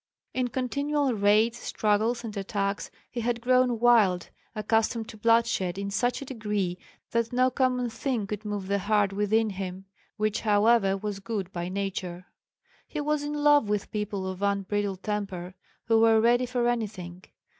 In continual raids, struggles, and attacks he had grown wild, accustomed to bloodshed in such a degree that no common thing could move the heart within him, which however was good by nature. He was in love with people of unbridled temper who were ready for anything.